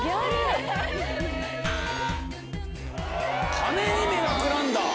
金に目がくらんだ？